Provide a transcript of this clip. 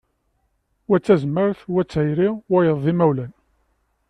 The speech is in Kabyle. Wa d tazmart, wa d tayri, wayeḍ d imawlan.